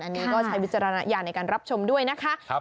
อันนี้ก็ใช้วิจารณญาณในการรับชมด้วยนะคะ